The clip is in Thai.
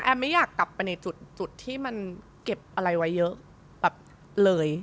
ไม่อยากกลับไปในจุดที่มันเก็บอะไรไว้เยอะแบบเลย